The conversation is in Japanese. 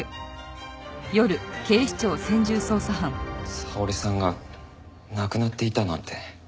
沙織さんが亡くなっていたなんて。